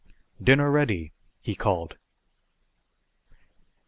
"Dinner ready!" he called.